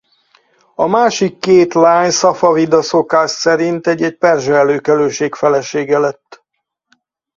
A másik két lány szafavida szokás szerint egy-egy perzsa előkelőség felesége lett.